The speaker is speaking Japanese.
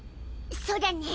そうだね。